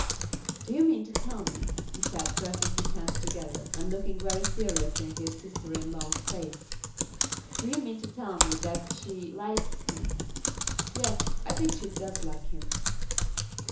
"Do you mean to tell me," he said, pressing his hands together, and looking very seriously into his sister in law's face; "do you mean to tell me that she likes him?" "Yes; I think she does like him."